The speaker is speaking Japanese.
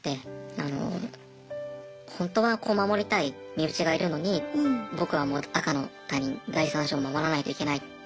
あのホントは守りたい身内がいるのに僕は赤の他人第三者を守らないといけない。